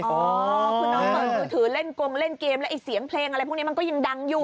อ๋อคือน้องเปิดมือถือเล่นกงเล่นเกมแล้วไอ้เสียงเพลงอะไรพวกนี้มันก็ยังดังอยู่